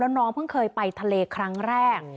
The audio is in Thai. น้องเพิ่งเคยไปทะเลครั้งแรก